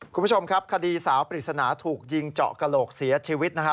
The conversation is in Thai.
คุณผู้ชมครับคดีสาวปริศนาถูกยิงเจาะกระโหลกเสียชีวิตนะฮะ